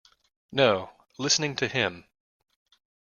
No, listening to him.